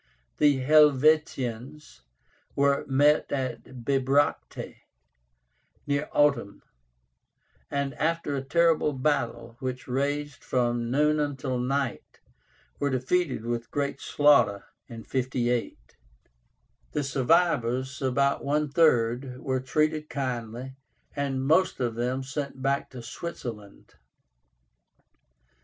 The Helvetians were met at BIBRACTE, near Autun, and after a terrible battle, which raged from noon until night, were defeated with great slaughter (58). The survivors, about one third, were treated kindly, and most of them sent back to Switzerland.